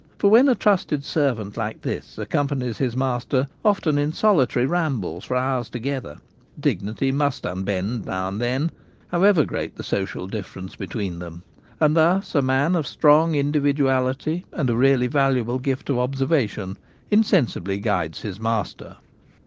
For when a trusted servant like this accompanies his master often in solitary f 2 T/te Gamekeeper at Home. rambles for hours together, dignity must unbend now and then, however great the social difference between them ; and thus a man of strong individuality and a really valuable gift of observation insensibly guides his master.